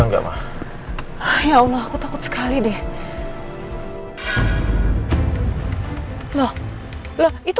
nah berapa kebutuhan itu